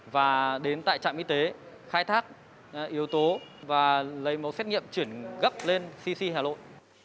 và đến tại trạm y tế khai thác yếu tố và lấy mẫu xét nghiệm chuyển gấp lên cc hà nội